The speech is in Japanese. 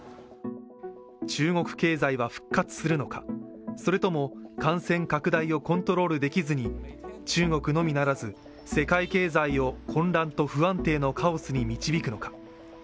中国経済は復活するのか、それとも感染拡大をコントロールできずに、中国のみならず世界経済を混乱と不安定のカオスに導くのか。